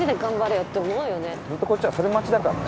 ずっとこっちはそれ待ちだからね。